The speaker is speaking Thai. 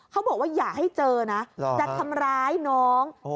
เขาบอกว่าอย่าให้เจอนะจะทำร้ายน้อง